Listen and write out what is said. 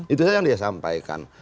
itu saja yang dia sampaikan